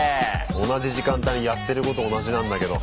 同じ時間帯にやってること同じなんだけど。